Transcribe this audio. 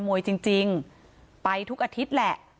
พ่อของสทเปี๊ยกบอกว่า